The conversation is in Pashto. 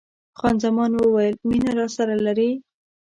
خان زمان وویل: مینه راسره لرې؟